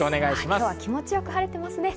今日は気持ちよく晴れてますね。